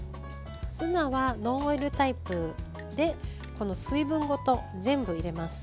ツナはノンオイルタイプで水分ごと全部入れます。